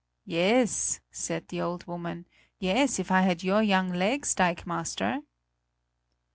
"Yes," said the old woman; "yes, if I had your young legs, dikemaster."